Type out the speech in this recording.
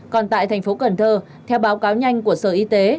còn tại thành phố cần thơ theo báo cáo nhanh của sở y tế